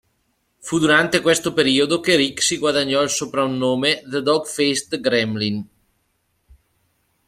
Fu durante questo periodo che Rick si guadagnò il soprannome "The Dog-Faced Gremlin".